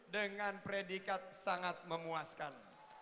dengan predikat sangat memuaskan